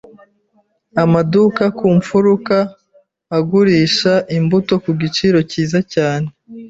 Amaduka ku mfuruka agurisha imbuto ku giciro cyiza cyane.